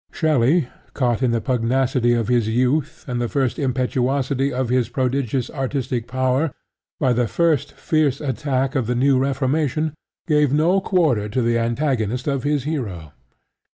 Shelley, caught in the pugnacity of his youth and the first impetuosity of his prodigious artistic power by the first fierce attack of the New Reformation, gave no quarter to the antagonist of his hero.